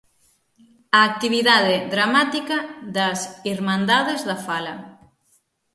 A actividade dramática das Irmandades da Fala.